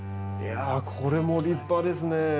いやこれも立派ですね。